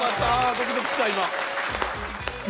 ドキドキした今。